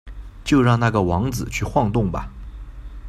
就让那个王子去晃动吧！